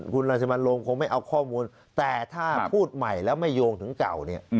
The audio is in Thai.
คุณราชมันลงคงไม่เอาข้อมูลแต่ถ้าพูดใหม่แล้วไม่โยงถึงเก่าเนี่ย